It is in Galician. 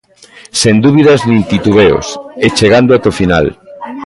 Sen dúbidas nin titubeos, e chegando ata o final.